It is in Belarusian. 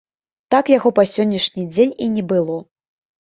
Так яго па сённяшні дзень і не было.